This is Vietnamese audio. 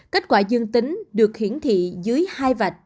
kết quả dương tính được hiển thị dưới hai vạch